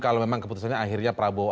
kalau memang keputusannya akhirnya prabowo